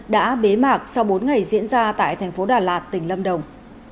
đã bế mạc sau bốn ngày diễn ra tại thành phố đà lạt tỉnh lâm đồng